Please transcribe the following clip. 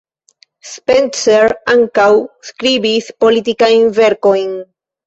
Spencer ankaŭ skribis politikajn verkojn.